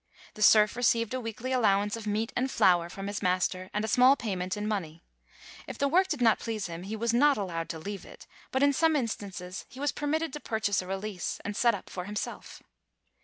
The serf received a weekly allowance of meat and flour from his master, and a small pa}^ ment in money. If the work did not please him, he was not allowed to leave it, but in some instances he was permitted to purchase a release, and set up for himself.